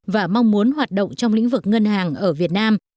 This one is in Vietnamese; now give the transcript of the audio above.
và mong muốn hoạt động trong lĩnh vực ngân hàng ở việt nam